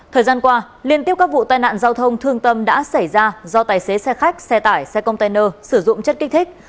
thời gian qua liên tiếp các vụ tai nạn giao thông thương tâm đã xảy ra do tài xế xe khách xe tải xe container sử dụng chất kích thích